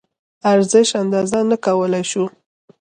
ارزش اندازه نه کولی شو.